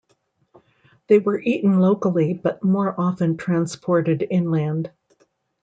They were eaten locally but more often transported inland.